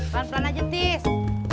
pelan pelan aja tis